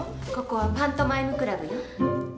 ここはパントマイム倶楽部よ。